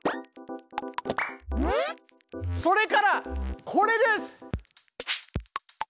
それからこれです！